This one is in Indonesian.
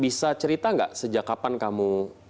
bisa cerita nggak sejak kapan kamu